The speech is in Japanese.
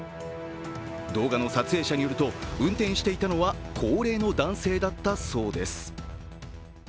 動画の撮影者によると運転していたのは高齢の男性だったそうです。